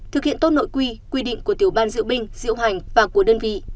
thực hiện tốt nội quy quy định của tiểu ban diệu binh diệu hành và của đơn vị